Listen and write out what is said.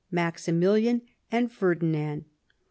Maximilian, and Ferdinand.